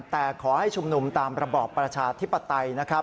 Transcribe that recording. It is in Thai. แต่ขอให้ชุมนมตามระบอบประชาธิปไตย